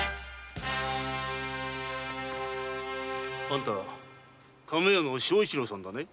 あんたは亀屋の庄一郎さんだな？